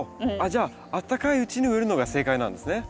じゃああったかいうちに植えるのが正解なんですね。